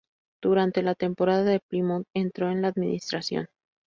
Durante la temporada de Plymouth entró en la administración.